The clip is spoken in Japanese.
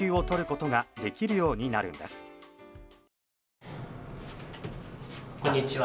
こんにちは。